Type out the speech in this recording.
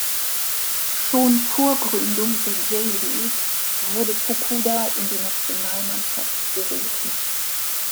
Schon vor Gründung der J-League wurde Fukuda in die Nationalmannschaft berufen.